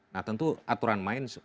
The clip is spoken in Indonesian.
nah tentu aturan main